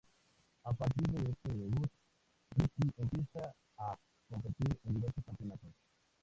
A partir de este debut, Ricky empieza a competir en diversos campeonatos.